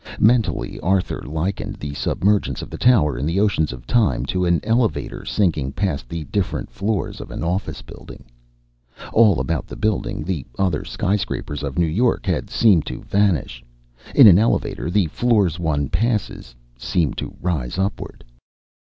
Mentally, Arthur likened the submergence of the tower in the oceans of time to an elevator sinking past the different floors of an office building. All about the building the other sky scrapers of New York had seemed to vanish. In an elevator, the floors one passes seem to rise upward.